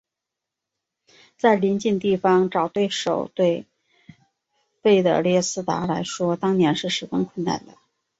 在邻近地方找对手对费德列斯达来说当年是十分困难的。